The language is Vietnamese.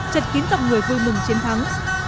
chật kín tầm người vui mừng chiến thắng